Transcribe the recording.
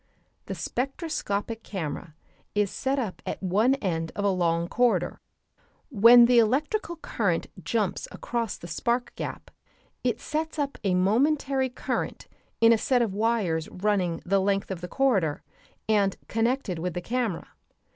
The spectroscope camera is set up at one end of a long corridor. When the electrical current jumps across the spark gap it sets up a momentary current in a set of wires running the length of the corridor and connected with the camera.